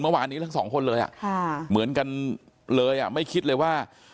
เมื่อวานนี้ทั้งสองคนเลยเหมือนกันเลยไม่คิดเลยว่า